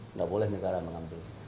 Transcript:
tidak boleh negara mengambil